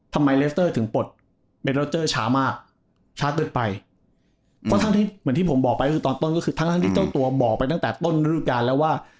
เลสเตอร์ถึงปลดเบลอเจอร์ช้ามากช้าเกินไปเพราะทั้งที่เหมือนที่ผมบอกไปคือตอนต้นก็คือทั้งทั้งที่เจ้าตัวบอกไปตั้งแต่ต้นฤดูการแล้วว่า